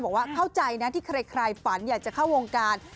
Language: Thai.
บอกว่าเข้าใจนะที่ใครฝันอยากจะเข้าวงการ